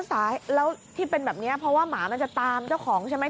สายแล้วที่เป็นแบบนี้เพราะว่าหมามันจะตามเจ้าของใช่ไหม